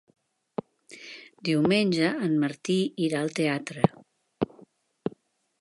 Diumenge en Martí irà al teatre.